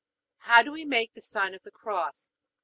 How do we make the sign of the Cross?